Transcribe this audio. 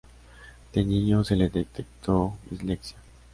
De niño se le detectó dislexia.